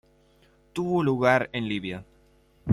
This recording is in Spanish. Tuvo lugar en Libia.